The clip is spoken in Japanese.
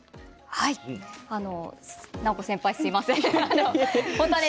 奈穂子先輩すみません。